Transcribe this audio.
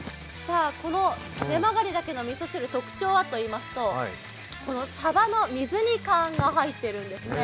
ネマガリダケのみそ汁特徴はといいますとサバの水煮缶が入っているんですね。